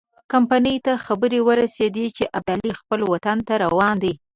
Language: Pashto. کمپنۍ ته خبر ورسېد چې ابدالي خپل وطن ته روان دی.